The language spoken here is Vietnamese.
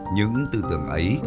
những tư tưởng ấy